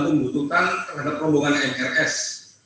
kebutuhan terhadap rombongan mrs